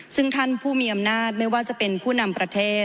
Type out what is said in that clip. ซึ่งท่านผู้มีอำนาจไม่ว่าจะเป็นผู้นำประเทศ